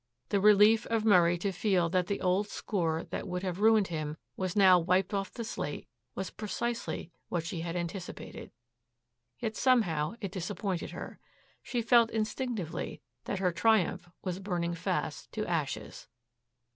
The relief of Murray to feel that the old score that would have ruined him was now wiped off the slate was precisely what she had anticipated. Yet, somehow, it disappointed her. She felt instinctively that her triumph was burning fast to ashes.